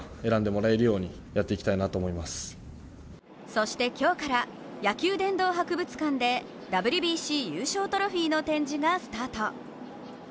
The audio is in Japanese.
そして今日から野球殿堂博物館でＷＢＣ優勝トロフィーの展示がスタート。